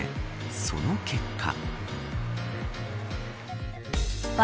その結果。